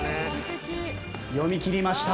読みきりました。